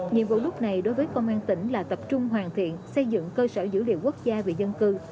nhiệm vụ lúc này đối với công an tỉnh là tập trung hoàn thiện xây dựng cơ sở dữ liệu quốc gia về dân cư